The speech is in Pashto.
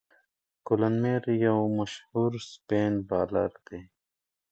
کولن میلیر یو مشهور سپېن بالر دئ.